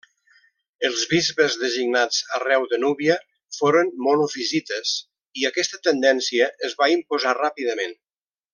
Els bisbes designats arreu de Núbia foren monofisites i aquesta tendència es va imposar ràpidament.